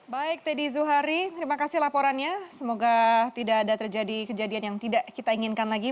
baik teddy zuhari terima kasih laporannya semoga tidak ada terjadi kejadian yang tidak kita inginkan lagi